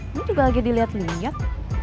ini juga lagi diliat liat